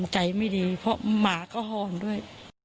ใจไม่ดีเพราะหมาก็หอนด้วย